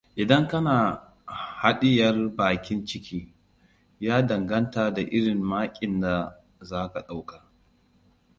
Idan kana haɗiyar baƙin ciki, ya danganta da irin makin da za ka ɗauka.